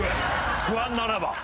不安ならば。